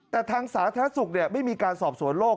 แต่ทางสาธารณสุขไม่มีการสอบสวนโลก